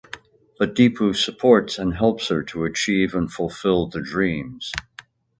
But Dipu supports and helps her to achieve and fulfill the dreams.